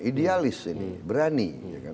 idealis ini berani